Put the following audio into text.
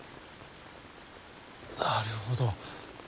なるほど。